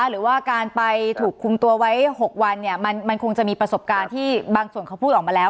หรือว่าการไปถูกคุมตัวไว้๖วันเนี่ยมันคงจะมีประสบการณ์ที่บางส่วนเขาพูดออกมาแล้ว